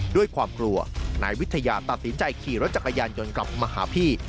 ด้วยความกลัวนายวิทยาตัดสินใจขี่รถจักรยานยนต์กลับมาหาพี่